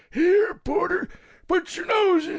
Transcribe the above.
"Here, porter, put your nose in.